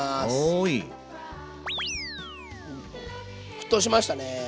沸騰しましたね。